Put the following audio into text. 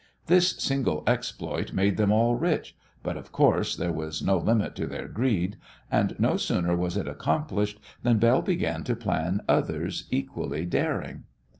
This single exploit made them all rich, but, of course, there was no limit to their greed, and no sooner was it accomplished than Belle began to plan others equally daring.